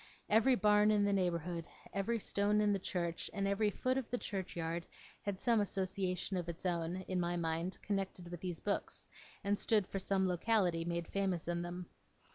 Every barn in the neighbourhood, every stone in the church, and every foot of the churchyard, had some association of its own, in my mind, connected with these books, and stood for some locality made famous in them.